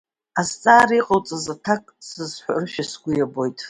Азҵаара иҟауҵаз аҭак сзыҳәарышәа сгәы иабоит.